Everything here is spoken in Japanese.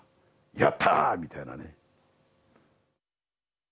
やった！みたいなね。